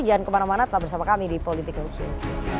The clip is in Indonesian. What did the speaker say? jangan kemana mana tetap bersama kami di political show